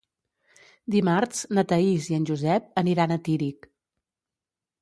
Dimarts na Thaís i en Josep aniran a Tírig.